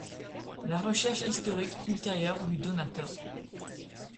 La recherche historique ultérieure lui donna tort.